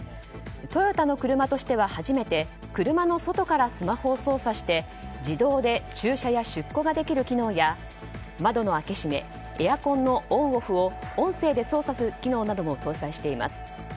トヨタの車としては初めて車の外からスマホを操作して自動で駐車や出庫ができる機能や窓の開け閉めエアコンのオンオフを音声で操作する機能なども搭載しています。